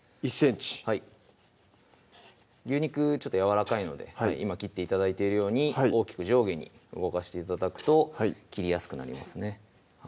１ｃｍはい牛肉ちょっとやわらかいので今切って頂いているように大きく上下に動かして頂くと切りやすくなりますね